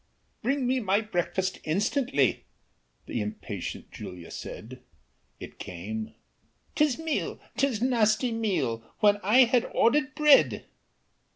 "Bring me my breakfast instantly," Th' impatient Julia said; It came "'Tis meal, 'tis nasty meal, When I had order'd bread!"